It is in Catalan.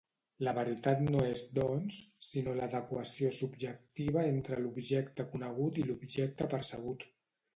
La veritat no és, doncs, sinó l'adequació subjectiva entre l'objecte conegut i l'objecte percebut.